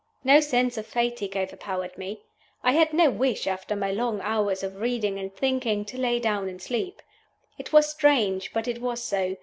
No sense of fatigue overpowered me. I had no wish, after my long hours of reading and thinking, to lie down and sleep. It was strange, but it was so.